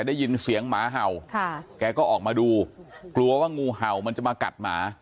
ได้ยินเสียงหมาเห่าค่ะแกก็ออกมาดูกลัวว่างูเห่ามันจะมากัดหมา